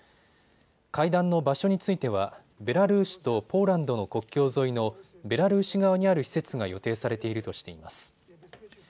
会談の場所についてはベラルーシとポーランドの国境沿いのベラルーシ側にある施設が予定されているとしています。